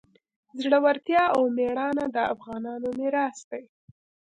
زړورتیا او میړانه د افغانانو میراث دی.